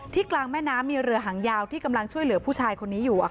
กลางแม่น้ำมีเรือหางยาวที่กำลังช่วยเหลือผู้ชายคนนี้อยู่